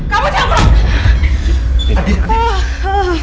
kamu jangan pulang